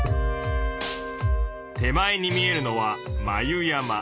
手前に見えるのは眉山。